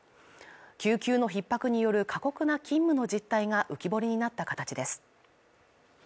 救急の逼迫による過酷な勤務の実態が浮き彫りになった形です